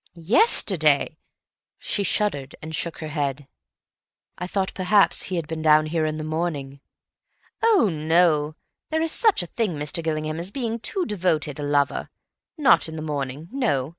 Yesterday—" she shuddered, and shook her head. "I thought perhaps he had been down here in the morning." "Oh, no! There is such a thing, Mr. Gillingham, as being too devoted a lover. Not in the morning, no.